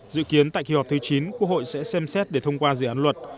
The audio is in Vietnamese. dự kiến tại kỳ họp thứ chín quốc hội sẽ xem xét để thông qua dự án luật